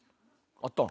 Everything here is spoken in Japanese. あったん？